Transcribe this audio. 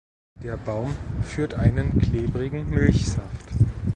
Der Baum führt einen klebrigen Milchsaft.